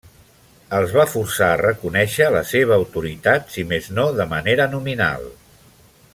Els va forçar a reconèixer la seva autoritat, si més no de manera nominal.